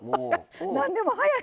何でも早い。